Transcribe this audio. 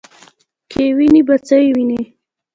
کې وینې په څه یې وینې ؟